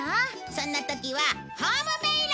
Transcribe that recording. そんな時はホームメイロ！